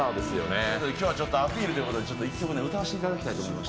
今日はちょっとアピールということで一曲歌わせていただきたい。